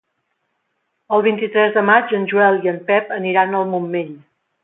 El vint-i-tres de maig en Joel i en Pep aniran al Montmell.